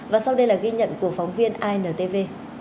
và sau đây là ghi nhận của phóng viên intv